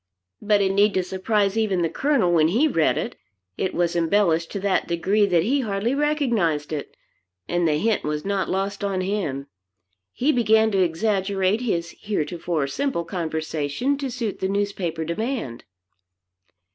But it used to surprise even the Colonel when he read it, it was embellished to that degree that he hardly recognized it, and the hint was not lost on him. He began to exaggerate his heretofore simple conversation to suit the newspaper demand.